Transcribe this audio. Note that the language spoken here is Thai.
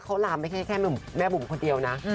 เขาลามไปแค่แม่บุ๋มคนเดียวนะ